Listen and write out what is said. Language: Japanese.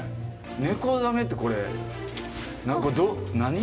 ネコザメってこれ何か何？